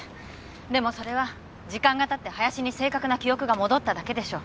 でもそれは時間が経って林に正確な記憶が戻っただけでしょう。